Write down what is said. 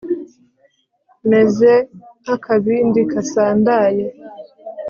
meze nk'akabindi kasandaye